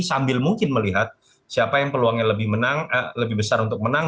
sambil mungkin melihat siapa yang peluangnya lebih besar untuk menang